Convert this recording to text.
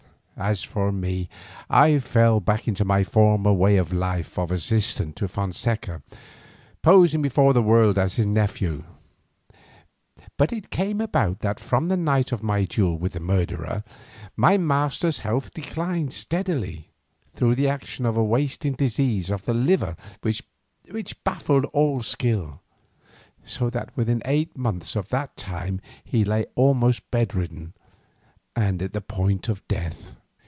As for me I fell back into my former way of life of assistant to Fonseca, posing before the world as his nephew. But it came about that from the night of my duel with the murderer, my master's health declined steadily through the action of a wasting disease of the liver which baffled all skill, so that within eight months of that time he lay almost bedridden and at the point of death.